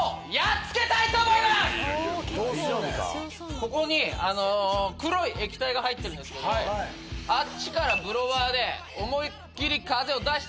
ここに黒い液体が入ってるんですけどあっちからブロワーで思い切り風を出してもらいます。